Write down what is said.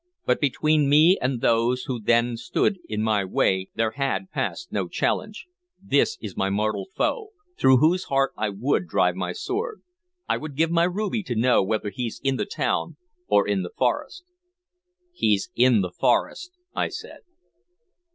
But between me and those who then stood in my way there had passed no challenge. This is my mortal foe, through whose heart I would drive my sword. I would give my ruby to know whether he's in the town or in the forest." "He's in the forest," I said.